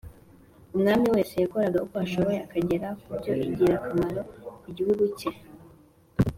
Umwami wese yakoraga uko ashoboye akagera kubyo ingirakamaro ku gihugu cye